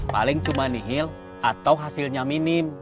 paling cuma nihil atau hasilnya minim